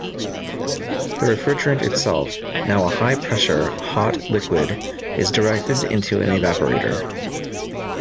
The refrigerant itself, now a high pressure, hot liquid, is directed into an evaporator.